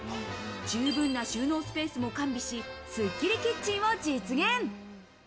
十分な収納スペースも完備し、すっきりキッチンを実現。